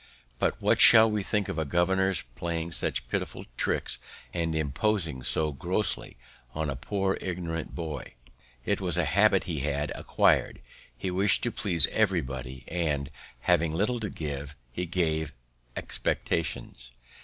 But what shall we think of a governor's playing such pitiful tricks, and imposing so grossly on a poor ignorant boy! It was a habit he had acquired. He wish'd to please everybody; and, having little to give, he gave expectations.